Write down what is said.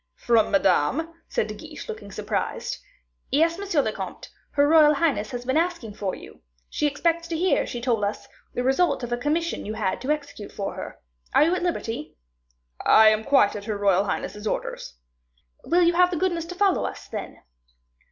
"From Madame!" said De Guiche, looking surprised. "Yes, M. le comte, her royal highness has been asking for you; she expects to hear, she told us, the result of a commission you had to execute for her. Are you at liberty?" "I am quite at her royal highness's orders." "Will you have the goodness to follow us, then?"